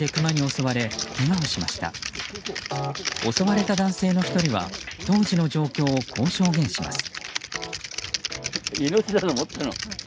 襲われた男性の１人は当時の状況をこう証言します。